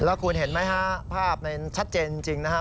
แล้วคุณเห็นไหมฮะภาพมันชัดเจนจริงนะฮะ